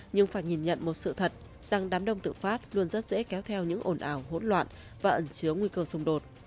nhưng phải nhìn nhận một sự thật rằng đám đông tự phát luôn rất dễ kéo theo những ồn ào hỗn loạn và ẩn chứa nguy cơ xung đột